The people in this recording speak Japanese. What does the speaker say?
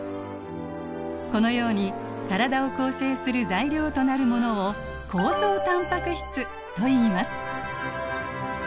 このように体を構成する材料となるものを構造タンパク質といいます。